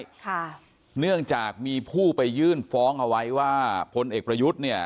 ค่ะเนื่องจากมีผู้ไปยื่นฟ้องเอาไว้ว่าพลเอกประยุทธ์เนี่ย